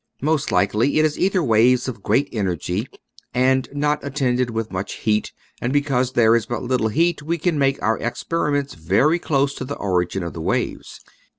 Most likely it is ether waves of great energy and not attended with much heat, and because there is but little heat we can make our experiments very close to the origin of the waves.